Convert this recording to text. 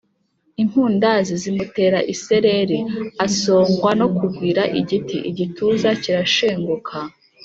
Impundazi zimutera isereri, asongwa no kugwira igiti, igituza kirashenguka!